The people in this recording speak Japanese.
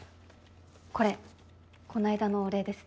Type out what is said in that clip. これこの間のお礼です。